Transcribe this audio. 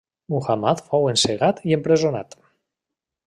Muhammad fou encegat i empresonat.